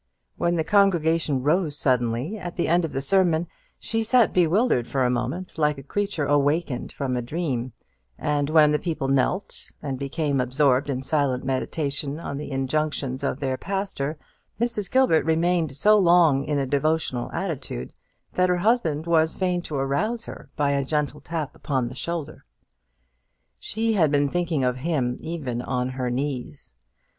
When the congregation rose suddenly, at the end of the sermon, she sat bewildered for a moment, like a creature awakened from a dream; and when the people knelt, and became absorbed in silent meditation on the injunctions of their pastor, Mrs. Gilbert remained so long in a devotional attitude, that her husband was fain to arouse her by a gentle tap upon the shoulder. She had been thinking of him even on her knees.